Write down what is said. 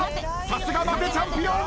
さすが待てチャンピオン。